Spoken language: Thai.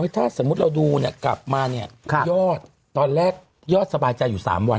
ถ้าสมมุติเราดูกลับมาเนี่ยยอดตอนแรกยอดสบายใจอยู่๓วัน